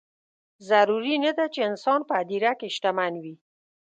ضروري نه ده چې انسان په هدیره کې شتمن وي.